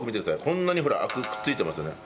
こんなにほらアクくっついてますよね。